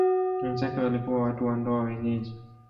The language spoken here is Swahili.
Wenzake walikuwa watu wa ndoa wenyeji.